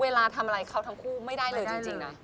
เวลาทำอะไรเขาทั้งคู่ไม่ได้เลยจริงนะ